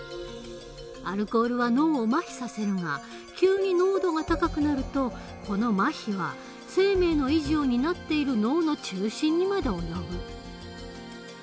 アルコールは脳をまひさせるが急に濃度が高くなるとこのまひは生命の維持を担っている脳の中心にまで及ぶ。